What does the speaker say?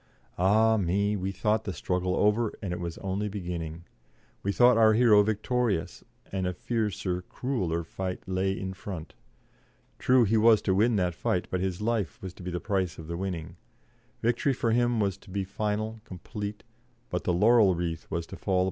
Ah me! we thought the struggle over, and it was only beginning; we thought our hero victorious, and a fiercer, crueller fight lay in front. True, he was to win that fight, but his life was to be the price of the winning; victory for him was to be final, complete, but the laurel wreath was to fall upon a grave.